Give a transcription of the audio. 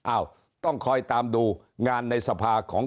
ต้องคอยตามดูงานในสภาของ